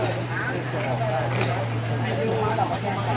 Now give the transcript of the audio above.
อัศวินิสัตว์อัศวินิสัตว์อัศวินิสัตว์อัศวินิสัตว์